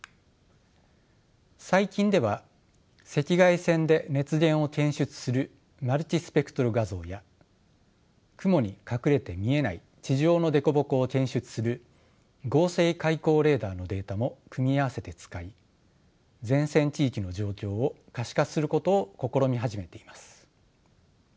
最近では赤外線で熱源を検出するマルチスペクトル画像や雲に隠れて見えない地上の凸凹を検出する合成開口レーダーのデータも組み合わせて使い前線地域の状況を可視化することを試み始めています。